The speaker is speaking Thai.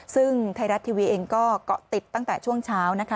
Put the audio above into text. ซึ่งไทยรัฐทีวีเองก็เกาะติดตั้งแต่ช่วงเช้านะคะ